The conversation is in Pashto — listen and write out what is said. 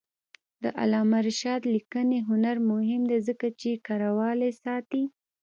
د علامه رشاد لیکنی هنر مهم دی ځکه چې کرهوالي ساتي.